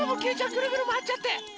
くるくるまわっちゃって。